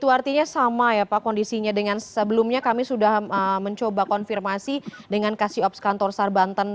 artinya sama ya pak kondisinya dengan sebelumnya kami sudah mencoba konfirmasi dengan kasiops kantor sar banten